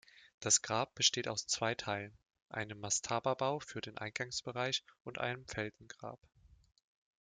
Das Grab besteht aus zwei Teilen, einem Mastaba-Bau für den Eingangsbereich und einem Felsengrab.